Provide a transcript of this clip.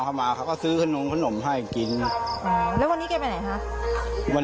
พ่อกับแม่นอนหลับ